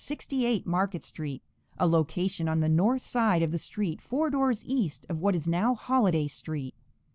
68 Market street, a location on the north side of the street, four doors east of what is now Holliday street.